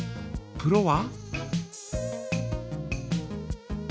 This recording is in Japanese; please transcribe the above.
プロは？